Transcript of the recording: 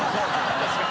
確かに。